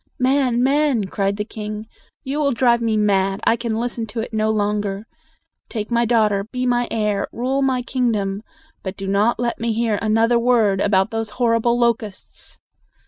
"Man, man!" cried the king, "you will drive me mad. I can listen to it no longer. Take my daughter; be my heir; rule my kingdom. But do not let me hear another word about those horrible locusts!"